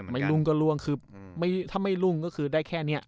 รุ่งก็ล่วงคือถ้าไม่รุ่งก็คือได้แค่นี้